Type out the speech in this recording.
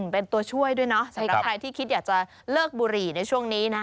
เป็นตัวช่วยด้วยเนาะสำหรับใครที่คิดอยากจะเลิกบุหรี่ในช่วงนี้นะ